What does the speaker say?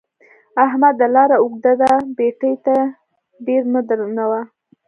احمده! لاره اوږده ده؛ پېټی دې ډېر مه درنوه.